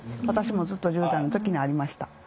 私もずっと１０代の時にありました。